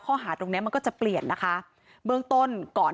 คิดว่าจะมีเรื่องอะไรกัน